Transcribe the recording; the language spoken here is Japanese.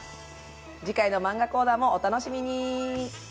次回の漫画コーナーもお楽しみに！